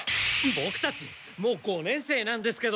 ボクたちもう五年生なんですけど。